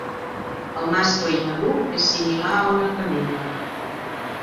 El mascle immadur és similar a una femella.